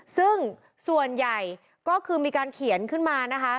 ซึ่งส่วนใหญ่ก็คือมีการเขียนขึ้นมานะคะ